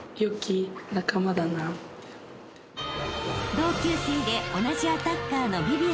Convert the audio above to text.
［同級生で同じアタッカーの］